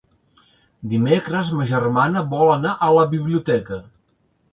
Dimecres ma germana vol anar a la biblioteca.